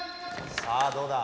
さあどうだ？